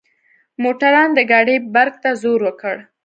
موټروان د ګاډۍ برک ته زور وکړ.